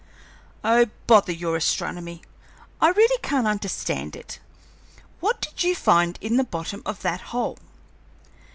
"Oh, bother your astronomy, I really can't understand it! What did you find in the bottom of that hole?"